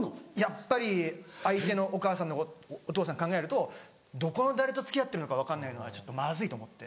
やっぱり相手のお母さんお父さん考えるとどこの誰と付き合ってるのか分かんないのはまずいと思って。